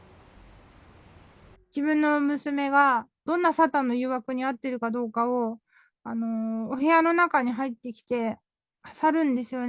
自分の娘がどんなサタンの誘惑にあっているかどうかを、お部屋の中に入ってきて、あさるんですよね。